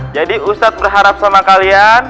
jadi ustadz berharap sama kalian